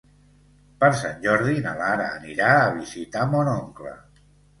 Per Sant Jordi na Lara anirà a visitar mon oncle.